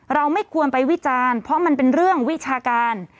เราไม่ควรไปวิจารณ์เพราะมันเป็นเรื่องวิชาการ